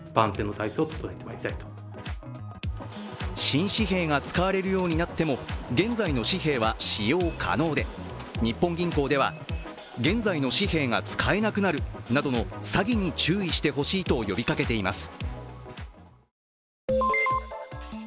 新紙幣が使われるようになっても現在の紙幣は使用可能で日本銀行では現在の紙幣が使えなくなるなどの詐欺に注意してほしいと呼びかけています。